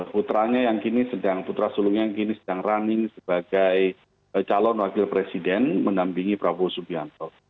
putranya yang kini sedang putra sulung yang kini sedang running sebagai calon wakil presiden mendampingi prabowo subianto